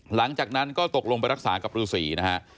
หลังจากนั้นก็ตกลงไปรักษากับฤษีนะฮะ